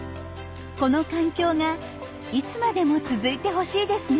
この環境がいつまでも続いてほしいですね。